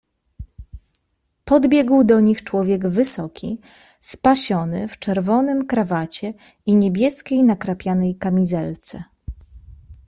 "Podbiegł do nich człowiek wysoki, spasiony w czerwonym krawacie i niebieskiej nakrapianej kamizelce."